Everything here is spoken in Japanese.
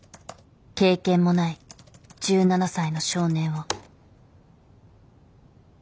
経験もない１７才の少年を。